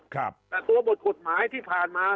แต่ตัวบทกฎหมายที่ผ่านมา